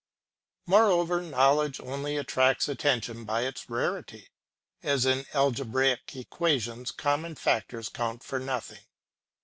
Moreover, knowledge only attracts attention by its rarity, as in algebraic equations common factors count for nothing.